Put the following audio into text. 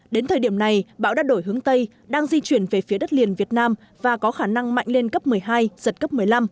đến thời điểm này bão đã đổi hướng tây đang di chuyển về phía đất liền việt nam và có khả năng mạnh lên cấp một mươi hai giật cấp một mươi năm